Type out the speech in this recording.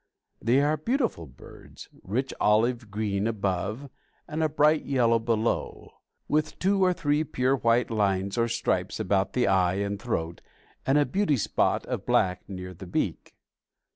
They are beautiful birds, rich olive green above and a bright yellow below, with two or three pure white lines or stripes about the eye and throat and a "beauty spot" of black near the beak.